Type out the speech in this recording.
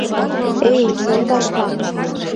Эй, йолташ-влак!